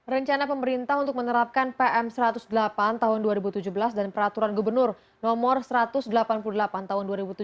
rencana pemerintah untuk menerapkan pm satu ratus delapan tahun dua ribu tujuh belas dan peraturan gubernur no satu ratus delapan puluh delapan tahun dua ribu tujuh belas